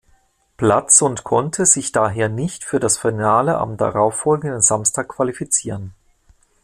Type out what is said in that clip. Platz und konnte sich daher nicht für das Finale am darauffolgenden Samstag qualifizieren.